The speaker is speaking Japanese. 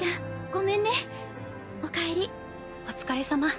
お疲れさま。